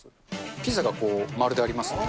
ピザが丸でありますよね。